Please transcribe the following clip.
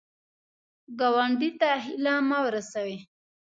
ګاونډي ته هیله مه ورسوې